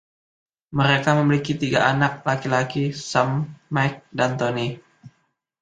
Mereka memiliki tiga anak laki-laki, Sam, Mike, dan Tony.